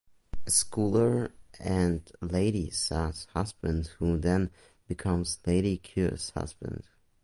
A scholar and Lady Sa’s husband who then becomes Lady Kyo’s husband.